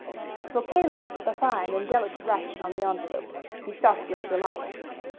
As Fouquet looked at the fine and delicate writing on the envelope, he started with delight.